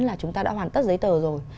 là chúng ta đã hoàn tất giấy tờ rồi